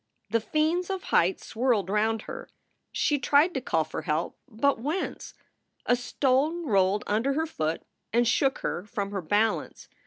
The fiends of height swirled round her. She tried to call for help but whence? A stone rolled under her foot and shook her from her balance.